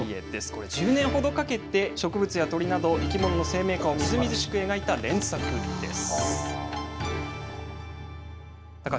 これ、１０年ほどかけて、植物や鳥など、生き物の生命感をみずみずしく描いた連作です。